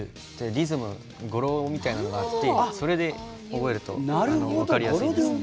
リズム語呂みたいなものがあってそれで覚えると分かりやすいです。